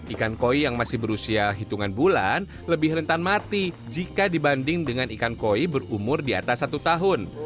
ikan koi yang masih berusia hitungan bulan lebih rentan mati jika dibanding dengan ikan koi berumur di atas satu tahun